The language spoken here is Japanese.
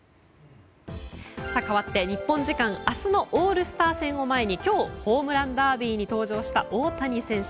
かわって、日本時間明日のオールスター戦を前に今日、ホームランダービーに登場した大谷選手。